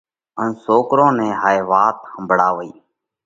ان سوڪرون نئہ هائي وات ۿمڀۯاوئِي۔